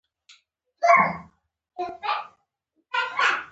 ځکه دا د ګډ احساس بڼه ده.